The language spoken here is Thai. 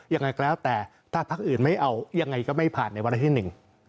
ยังไงก็แล้วแต่ถ้าพักอื่นไม่เอายังไงก็ไม่ผ่านในวาระที่หนึ่ง